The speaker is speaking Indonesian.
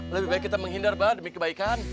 lebih baik kita menghindar demi kebaikan